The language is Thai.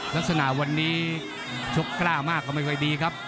ลักษณะวันนี้ชกกล้ามากก็ไม่ค่อยดีครับ